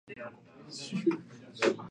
ダンジョン